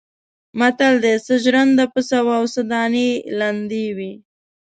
متل دی: څه ژرنده پڅه وه او څه دانې لندې وې.